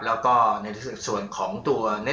แล้วก็ในส่วนของตัว